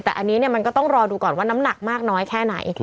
แต่อันนี้มันก็ต้องรอดูก่อนว่าน้ำหนักมากน้อยแค่ไหน